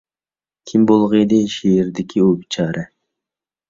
كىم بولغىيدى شېئىردىكى ئۇ بىچارە؟